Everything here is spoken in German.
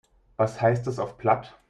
Was heißt das auf Platt?